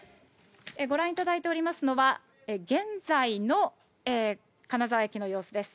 ご覧いただいておりますのは、現在の金沢駅の様子です。